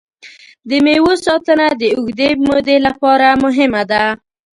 د مېوو ساتنه د اوږدې مودې لپاره مهمه ده.